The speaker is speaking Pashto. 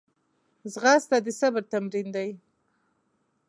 ځغاسته د صبر تمرین دی